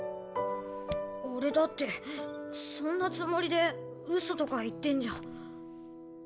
俺だってそんなつもりでうそとか言ってんじゃ。